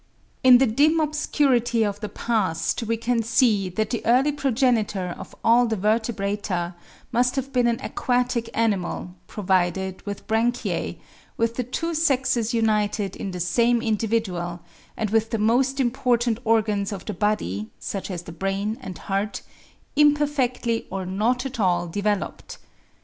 In the dim obscurity of the past we can see that the early progenitor of all the Vertebrata must have been an aquatic animal, provided with branchiae, with the two sexes united in the same individual, and with the most important organs of the body (such as the brain and heart) imperfectly or not at all developed.